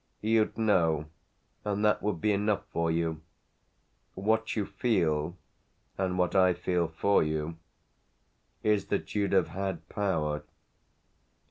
You'd know, and that would be enough for you. What you feel and what I feel for you is that you'd have had power."